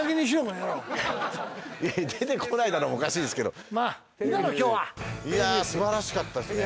「出てこないだろ」もおかしいですけどいやすばらしかったですね